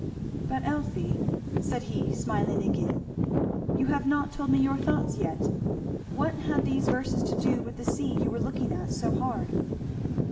"But, Elfie," said he smiling again, "you have not told me your thoughts yet. What had these verses to do with the sea you were looking at so hard?"